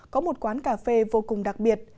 có một quán cà phê vô cùng đặc biệt